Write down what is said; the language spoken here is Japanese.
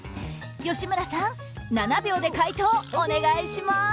吉村さん７秒で回答お願いします。